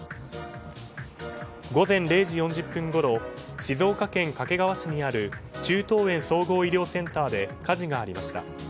午前０時４０分ごろ静岡県掛川市にある中東遠総合医療センターで火事がありました。